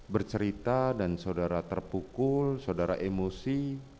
bercerita dan saudara terpukul saudara emosi